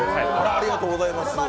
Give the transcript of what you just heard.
ありがとうございます。